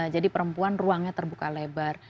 jadi perempuan ruangnya terbuka lebar